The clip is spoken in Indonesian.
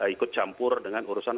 ikut campur dengan urusan